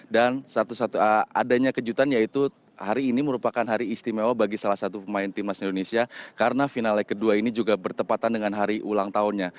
dan satu satu adanya kejutan yaitu hari ini merupakan hari istimewa bagi salah satu pemain timnas indonesia karena finale kedua ini juga bertepatan dengan hari ulang tahunnya